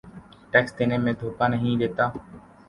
tax دینے میں دھوکہ نہیں دیتا